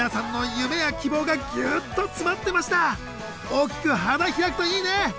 大きく花開くといいね！